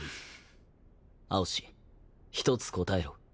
蒼紫一つ答えろ。